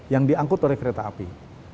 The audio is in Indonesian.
yang diangkut oleh kereta api